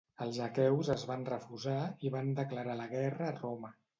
Els aqueus es van refusar i van declarar la guerra a Roma.